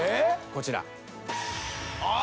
こちら。